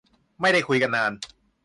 ไม่ได้คุยกันนาน